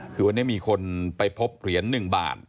คือวันนี้มีคนไปพบเหรียญ๑บาท